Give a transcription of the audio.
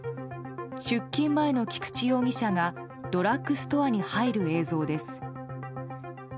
出勤前の菊池容疑者がドラッグストアに入る映像です。